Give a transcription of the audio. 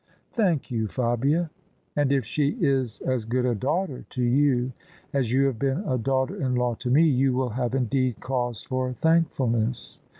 "Thank you, Fabia. And if she is as good a daughter to you as you have been a daughter in law to me, you will have indeed cause for thankfulness.